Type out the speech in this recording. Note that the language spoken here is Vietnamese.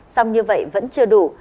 sông như vậy vẫn chưa đủ